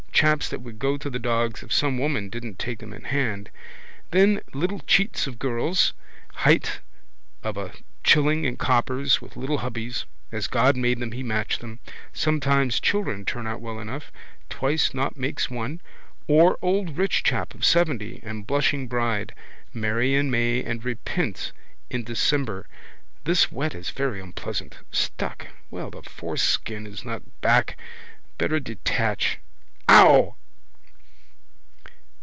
Chaps that would go to the dogs if some woman didn't take them in hand. Then little chits of girls, height of a shilling in coppers, with little hubbies. As God made them he matched them. Sometimes children turn out well enough. Twice nought makes one. Or old rich chap of seventy and blushing bride. Marry in May and repent in December. This wet is very unpleasant. Stuck. Well the foreskin is not back. Better detach. Ow!